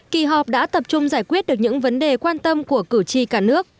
kỳ họp đã tập trung giải quyết được những vấn đề quan tâm của cử tri cả nước